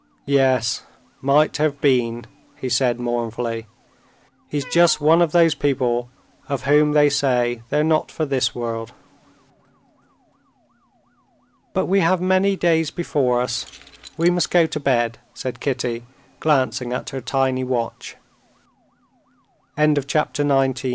"Yes, might have been," he said mournfully. "He's just one of those people of whom they say they're not for this world." "But we have many days before us; we must go to bed," said Kitty, glancing at her tiny watch. Chapter 20 The nex